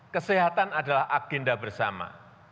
kesehatan adalah agenda bersama